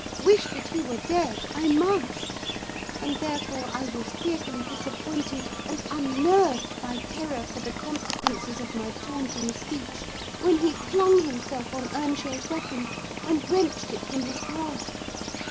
Wish that he were dead, I must; and therefore I was fearfully disappointed, and unnerved by terror for the consequences of my taunting speech, when he flung himself on Earnshaw's weapon and wrenched it from his grasp.